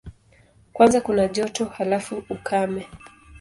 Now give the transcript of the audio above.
Kwanza kuna joto, halafu ukame.